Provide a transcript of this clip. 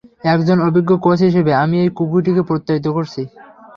একজন অভিজ্ঞ কোচ হিসেবে, আমি এই কুকুরটিকে প্রত্যয়িত করছি।